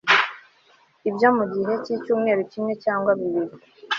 Ibyo mugihe cyicyumweru kimwe cyangwa bibiri